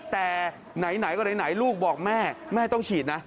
แต่ไหนก็ไหนลูกบอกแม่แม่ต้องฉีดนะ